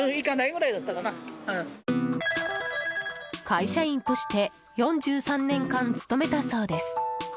会社員として４３年間、勤めたそうです。